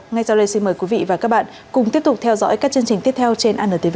ngay sau đây xin mời quý vị và các bạn cùng tiếp tục theo dõi các chương trình tiếp theo trên antv